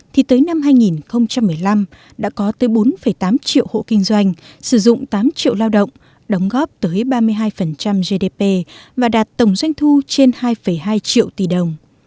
thì tới năm hai nghìn một mươi năm đã có tới bốn tám triệu hộ kinh doanh sử dụng tám triệu lao động đóng góp tới ba mươi hai gdp và đạt tổng doanh thu trên hai hai triệu tỷ đồng